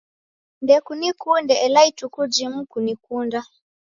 Ndekunikunde ela ituku jimu kunikunda.